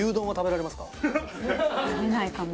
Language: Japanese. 「食べないかも」